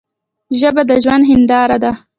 ژبه د ژوند هنداره ده.